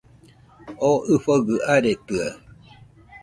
O ɨfogɨ aretɨaɨ